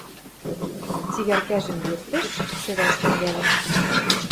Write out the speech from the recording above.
цигӓркӓжӹм йӧртӹш, шӹвӓш тӹнгӓльӹ.